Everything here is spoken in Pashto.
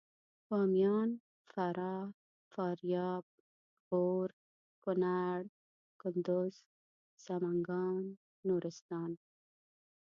باميان فراه فاریاب غور کنړ کندوز سمنګان نورستان